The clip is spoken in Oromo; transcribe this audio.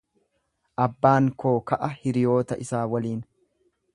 Abbaan koo ka'a hiriyoota isaa waliin.